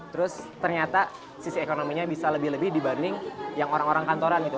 terus ternyata sisi ekonominya bisa lebih lebih dibanding yang orang orang kantoran gitu